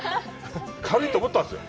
軽いと思ったんですよ。